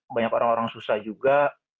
banyak orang orang susah juga